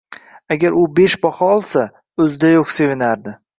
Agar u besh baho olsa, o‘zida yo‘q sevinardi.